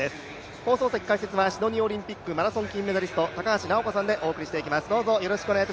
放送席解説はシドニーオリンピックマラソン金メダル、高橋尚子さんでお送りしていきます。